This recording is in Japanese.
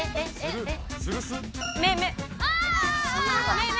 めめ。